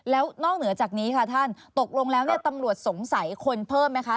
แล้วนอกเหนือจากนี้ค่ะท่านตกลงแล้วเนี่ยตำรวจสงสัยคนเพิ่มไหมคะ